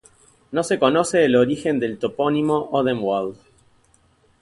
No se conoce el origen del topónimo "Odenwald".